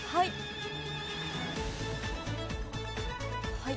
はい。